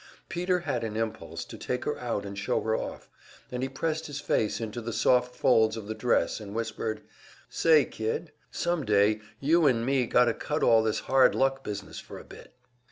Peter had an impulse to take her out and show her off, and he pressed his face into the soft folds of the dress and whispered, "Say kid, some day you an me got to cut all this hard luck business for a bit!"